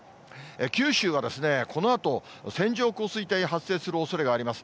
九州はこのあと、線状降水帯が発生するおそれがあります。